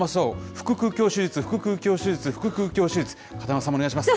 腹腔鏡手術、腹腔鏡手術、腹腔鏡手術、片山さんもお願いします。